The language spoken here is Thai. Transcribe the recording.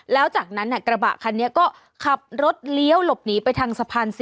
แล้วจากนั้นกระบะคันนี้ก็ขับรถเลี้ยวหลบหนีไปทางสะพาน๔